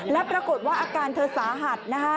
และปรากฏว่าอาการเธอสาหัส